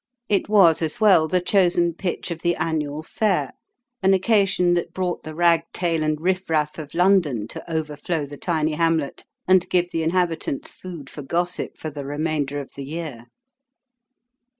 It was as well the chosen pitch of the annual fair, an occa 16 The Home Coming 17 sion that brought the rag tail and riff raff of London to over flow the tiny hamlet, and give the inhabitants food for gossip for the remainder of the year.